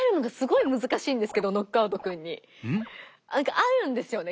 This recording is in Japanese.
なんかあるんですよね